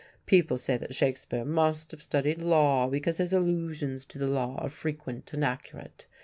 People say that Shakespeare must have studied the law, because his allusions to the law are frequent and accurate.